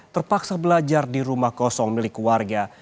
terpaksa belajar di rumah kosong milik warga